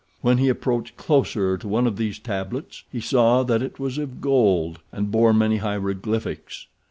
When he approached closer to one of these tablets he saw that it was of gold, and bore many hieroglyphics.